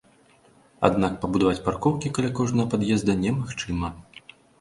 Аднак пабудаваць паркоўкі каля кожнага пад'езда немагчыма.